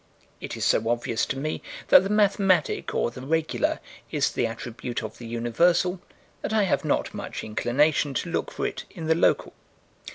It is so obvious to me that the mathematic, or the regular, is the attribute of the Universal, that I have not much inclination to look for it in the local.